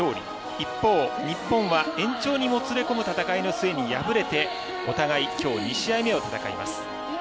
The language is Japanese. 一方、日本は延長にもつれ込む戦いの末に敗れて、お互いきょう２試合目をきょう戦います。